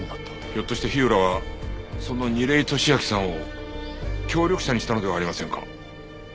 ひょっとして火浦はその楡井敏秋さんを協力者にしたのではありませんか？